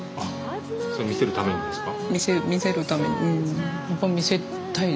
それは見せるためにですか？